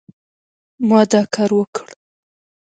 ما دا کار وکړ